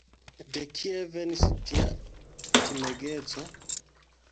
De kie venis tia timegeco?